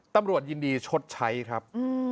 ตำรวจยินดีชดใช้ครับ